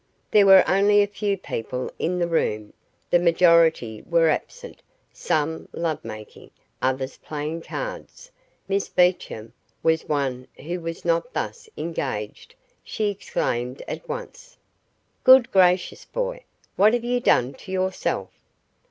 There were only a few people in the room. The majority were absent some love making, others playing cards. Miss Beecham was one who was not thus engaged. She exclaimed at once: "Good gracious, boy, what have you done to yourself?"